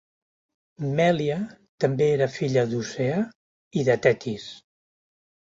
Mèlia també era filla d'Oceà i de Tetis.